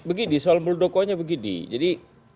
begitu soal muldoko nya begitu jadi